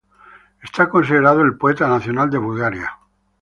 Es considerado el poeta nacional de Bulgaria.